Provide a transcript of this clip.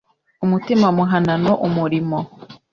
Umutima muhanano umurimo